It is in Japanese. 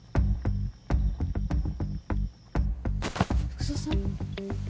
福造さん？